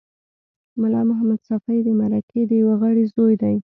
ملا محمد ساپي د مرکې د یوه غړي زوی دی.